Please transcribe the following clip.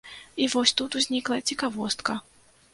І вось тут узнікла цікавостка.